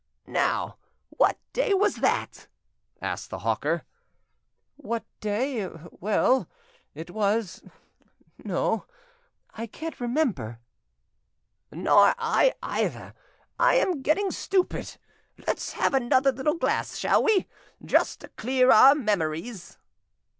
"Now, what day was that?" asked the hawker. "What day? Well, it was—no, I can't remember." "Nor I either; I am getting stupid. Let's have another little glass shall we? just to clear our memories!"